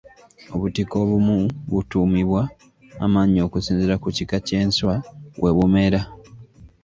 Obutiko obumu butuumibwa amannya okusinziira ku kika ky’enswa we bumera.